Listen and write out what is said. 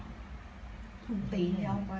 อันนี้ก็ไม่มีเจ้าพ่อหรอก